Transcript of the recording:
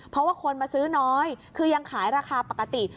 เพราะว่าคนมาซื้อน้อยคือยังขายราคาปกติ